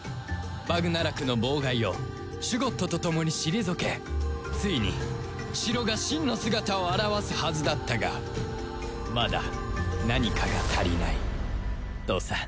バグナラクの妨害をシュゴッドとともに退けついに城が真の姿を現すはずだったがまだ何かが足りないとさ